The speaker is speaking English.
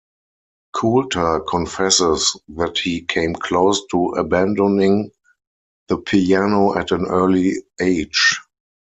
Coulter confesses that he came close to abandoning the piano at an early age.